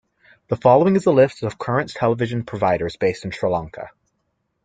The following is a list of current television providers based in Sri Lanka.